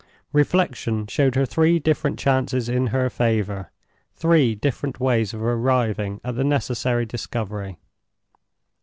Reflection showed her three different chances in her favor—three different ways of arriving at the necessary discovery.